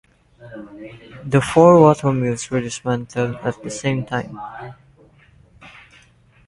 The four watermills were dismantled at the same time.